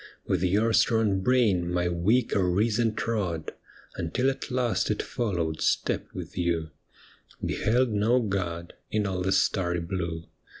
' With your strong brain my weaker reason trod. Until at last it followed step with you, Beheld no God in all the starry blue.